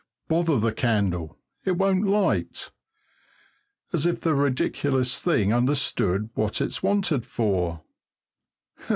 Bother the candle, it won't light! As if the ridiculous thing understood what it's wanted for!